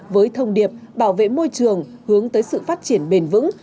với thông điệp bảo vệ môi trường hướng tới sự phát triển bền vững